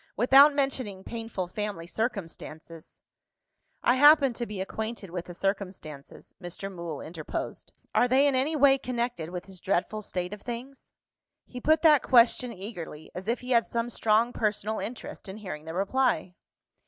Without mentioning painful family circumstances " "I happen to be acquainted with the circumstances," Mr. Mool interposed. "Are they in any way connected with this dreadful state of things?" He put that question eagerly, as if he had some strong personal interest in hearing the reply.